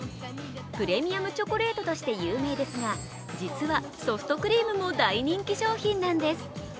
プレミアムチョコレートとして有名ですが実はソフトクリームも有名なんです。